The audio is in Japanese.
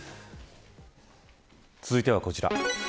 続いてはこちら。